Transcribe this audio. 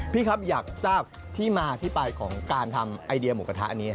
พี่ครับอยากทราบที่มาที่ไปของการทำไอเดียหมูกระทะอันนี้